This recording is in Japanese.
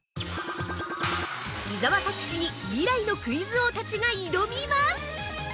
伊沢拓司に、未来のクイズ王たちが挑みます！